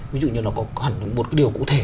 ví dụ như là có hẳn một điều cụ thể